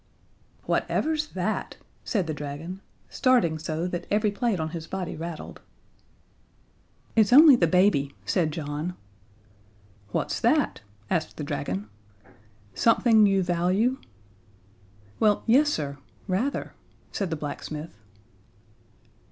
"Whatever's that?" said the dragon, starting so that every plate on his body rattled. "It's only the baby," said John. "What's that?" asked the dragon. "Something you value?" "Well, yes, sir, rather," said the blacksmith.